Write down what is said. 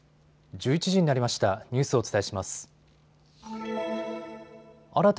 １１時になりました。